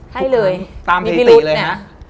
ให้เลยมีพิรุธนะ